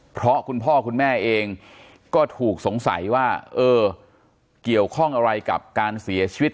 เพราะคุณพ่อคุณแม่เองก็ถูกสงสัยว่าเออเกี่ยวข้องอะไรกับการเสียชีวิต